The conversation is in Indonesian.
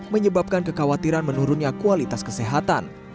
menyebabkan kekhawatiran menurunnya kualitas kesehatan